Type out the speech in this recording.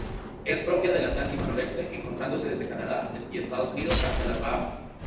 Es propia del Atlántico noroeste, encontrándose desde Canadá y Estados Unidos hasta las Bahamas.